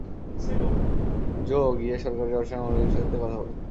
জো, গিয়ে সহকারী অসহায় মহিলাটার সাথে কথা বল।